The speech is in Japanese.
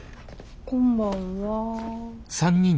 こんばんは。